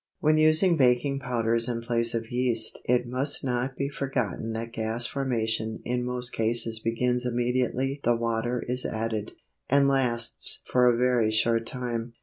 When using baking powders in place of yeast it must not be forgotten that gas formation in most cases begins immediately the water is added, and lasts for a very short time.